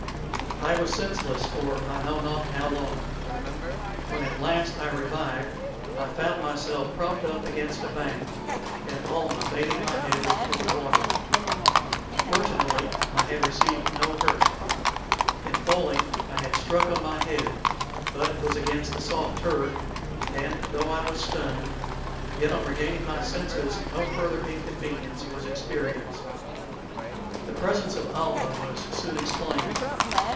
I was senseless for I know not how long. When at last I revived I found myself propped up against a bank, and Almah bathing my head with cold water. Fortunately, I had received no hurt. In falling I had struck on my head, but it was against the soft turf, and though I was stunned, yet on regaining my senses no further inconvenience was experienced. The presence of Almah was soon explained.